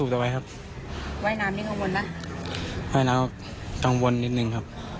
ทำไมเป็นอาหารเรือง